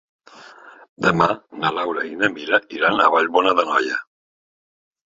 Demà na Laura i na Mira iran a Vallbona d'Anoia.